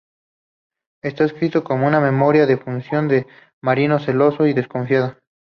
Está escrito como una memoria de ficción por un marido celoso y desconfiado.